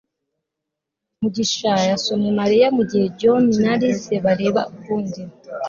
mugisha yasomye mariya mugihe john na alice bareba ukundi